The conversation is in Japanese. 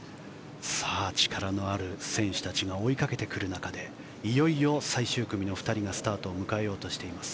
力のある選手たちが追いかけてくる中でいよいよ最終組の２人がスタートを迎えようとしています。